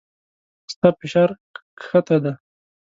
ستا فشار کښته دی